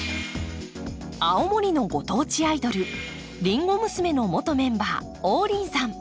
青森のご当地アイドルりんご娘の元メンバー王林さん。